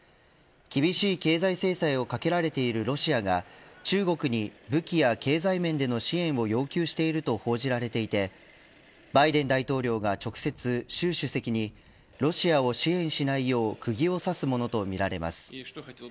厳しい経済制裁をかけられているロシアが中国に武器や経済面での支援を要求していると報じられていてバイデン大統領が直接習主席にロシアを支援しないようくぎをさすものとみられます。